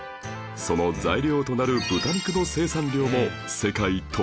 その材料となる豚肉の生産量も世界トップクラス